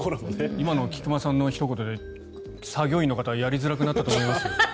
今の菊間さんのひと言で作業員の方はやりづらくなったと思いますよ。